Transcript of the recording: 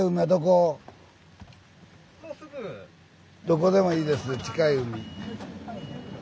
どこでもいいです近い海。